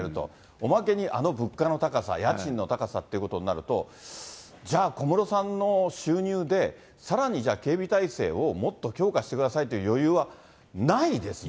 おまけにあの物価の高さ、家賃の高さっていうことになると、じゃあ、小室さんの収入で、さらにじゃあ、警備体制をもっと強化してくださいっていう余裕はないですね。